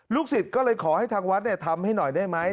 สิทธิ์ก็เลยขอให้ทางวัดทำให้หน่อยได้ไหม